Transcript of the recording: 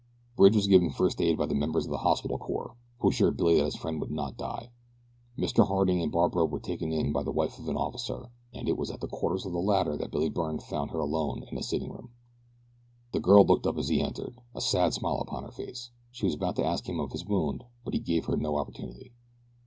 Bridge was given first aid by members of the hospital corps, who assured Billy that his friend would not die. Mr. Harding and Barbara were taken in by the wife of an officer, and it was at the quarters of the latter that Billy Byrne found her alone in the sitting room. The girl looked up as he entered, a sad smile upon her face. She was about to ask him of his wound; but he gave her no opportunity.